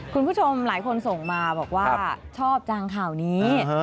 คุณผู้ชมหลายคนส่งมาบอกว่าชอบจังข่าวนี้